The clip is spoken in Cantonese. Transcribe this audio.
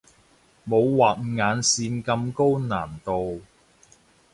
冇畫眼線咁高難度